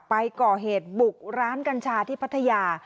ไปก่อเหตุบุกร้านกัญชาที่พัทยา